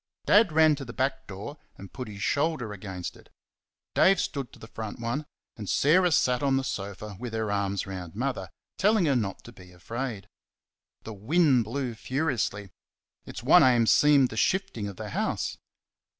Dad ran to the back door and put his shoulder against it; Dave stood to the front one; and Sarah sat on the sofa with her arms around Mother, telling her not to be afraid. The wind blew furiously its one aim seemed the shifting of the house.